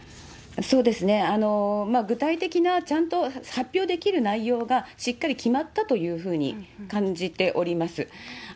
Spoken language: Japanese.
そうですね、具体的なちゃんと発表できる内容がしっかり決まったというふうに感じております。